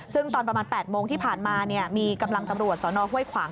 ซึ่งตอนประมาณ๘โมงที่ผ่านมามีกำลังตำรวจสนห้วยขวาง